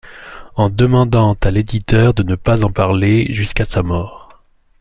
En demandant à l'éditeur de ne pas en parler jusqu'à sa mort.